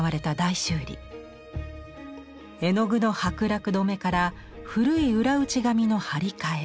絵の具の剥落止めから古い裏打ち紙の貼り替え